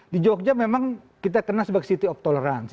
di jogja memang kita kenal sebagai city of tolerance